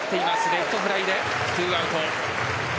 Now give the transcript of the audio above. レフトフライで２アウト。